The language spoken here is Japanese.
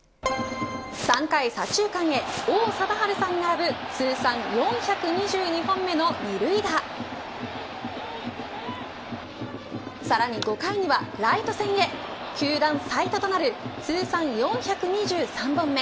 ３回左中間へ王貞治さんに並ぶ通算４２２本目の二塁打さらに５回にはライト線へ球団最多となる通算４２３本目。